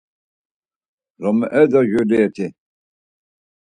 Romeo do Julieti.